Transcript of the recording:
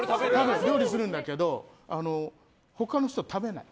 料理するんだけど他の人は食べない。